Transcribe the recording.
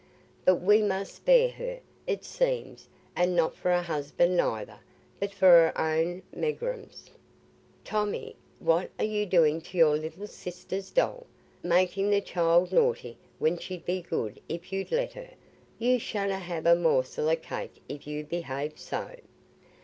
"But we must spare her, it seems, and not for a husband neither, but for her own megrims. Tommy, what are you doing to your little sister's doll? Making the child naughty, when she'd be good if you'd let her. You shanna have a morsel o' cake if you behave so."